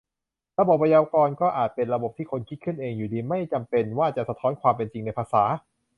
ระบบไวยากรณ์ ก็อาจเป็นระบบที่คนคิดขึ้นเองอยู่ดี ไม่จำเป็นว่าจะสะท้อนความเป็นจริงในภาษา